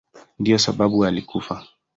Ndiyo sababu alikufa.